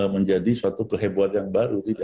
menjadi suatu kehebohan yang baru